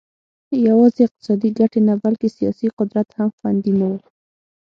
یوازې اقتصادي ګټې نه بلکې سیاسي قدرت هم خوندي نه و